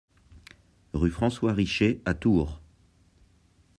Rue François Richer à Tours